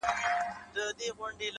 جنگ روان ـ د سولي په جنجال کي کړې بدل _